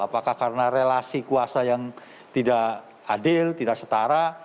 apakah karena relasi kuasa yang tidak adil tidak setara